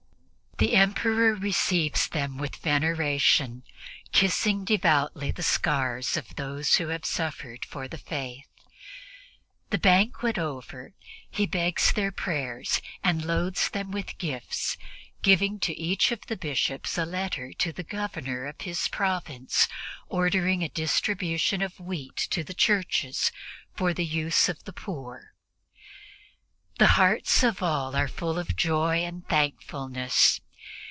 The Emperor receives them with veneration, kissing devoutly the scars of those who have suffered for the Faith. The banquet over, he begs their prayers and loads them with gifts, giving to each of the Bishops a letter to the governor of his province ordering a distribution of wheat to the churches for the use of the poor. The hearts of all are full of joy and thankfulness.